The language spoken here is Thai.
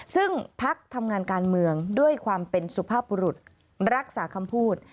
ซึ่งพักทำงานการเมืองด้วยความเป็นสุภาพบุรุษรักษาคำพูด